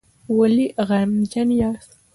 ولې غمجن یاست؟